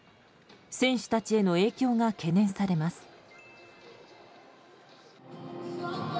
選手たちへの影響が懸念されます。